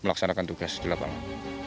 melaksanakan tugas di lapangan